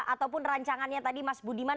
ataupun rancangannya tadi mas budiman